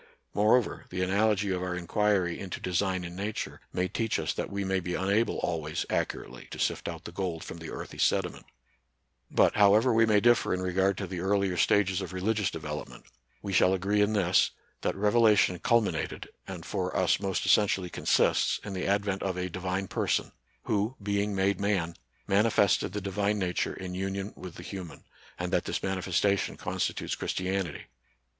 Moreover the analogy of our inquiry into design in Nature may teach us that we may be unable always accurately to sift out the gold from the earthy sediment. 108 NATURAL SCIENCE AND RELIGION. But, however we may differ in regard to the earlier stages of religious development, we shall ao ree in this, that revelation culminated, and for us most essentially consists, in the advent of a Divine Person, who, being made man, mani fested the Divine Nature in union with the human ; and that this manifestation constitutes Christianity.